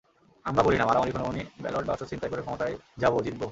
আমরা বলি না, মারামারি, খুনোখুনি, ব্যালট বাক্স ছিনতাই করে ক্ষমতায় যাব, জিতব।